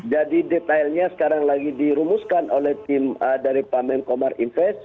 jadi detailnya sekarang lagi dirumuskan oleh tim dari pak menko marinvest